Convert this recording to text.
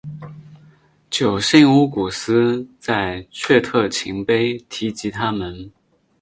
九姓乌古斯在阙特勤碑提及他们。